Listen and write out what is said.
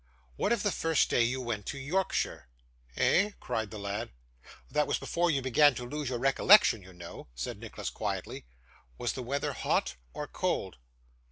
'What of the first day you went to Yorkshire?' 'Eh!' cried the lad. 'That was before you began to lose your recollection, you know,' said Nicholas quietly. 'Was the weather hot or cold?